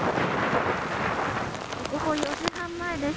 午後４時半前です。